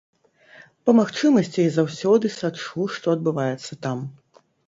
Па магчымасці я заўсёды сачу, што адбываецца там.